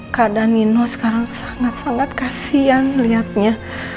keadaan nino sekarang sangat sangat kasian melihatnya